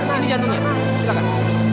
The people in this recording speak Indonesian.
ini jantungnya silakan